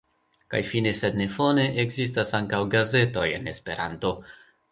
Kaj fine sed ne fone: ekzistas ankaŭ gazetoj en Esperanto.